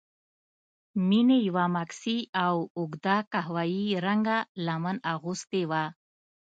مينې يوه ماکسي او اوږده قهويي رنګه لمن اغوستې وه.